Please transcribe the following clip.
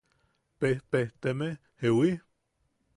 Pejpejteme ¿Jewi?